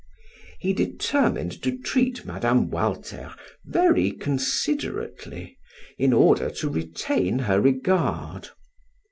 He determined to treat Mme. Walter very considerately in order to retain her regard.